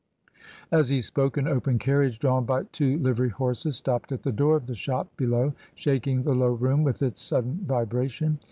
As he spoke, an open carriage, drawn by two livery horses, stopped at the door of the shop be low, shaking the low room with its sudden vibration.